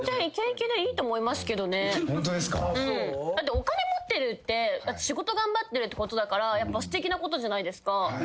お金持ってるって仕事頑張ってるってことだからやっぱすてきなことじゃないですか。